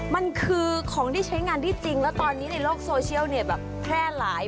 มันคือของที่ใช้งานที่จริงแล้วตอนนี้ในโลกโซเชียลเนี่ยแบบแพร่หลาย